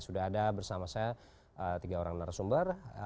sudah ada bersama saya tiga orang narasumber